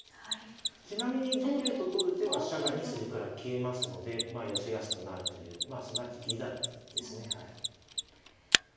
ちなみに同竜と取る手は飛車が２筋から消えますので寄せやすくなるというまあすなわち犠打ですね。